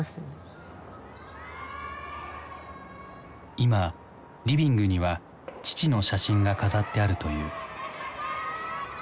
今リビングには父の写真が飾ってあるという。